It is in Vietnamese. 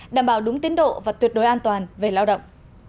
đảm bảo đúng tiến độ và tuyệt đối an toàn về lao động